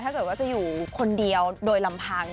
ถ้าเกิดว่าจะอยู่คนเดียวโดยลำพัง